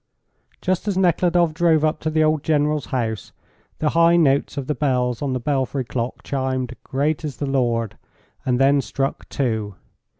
Just as Nekhludoff drove up to the old General's house, the high notes of the bells on the belfry clock chimed "Great is the Lord," and then struck two.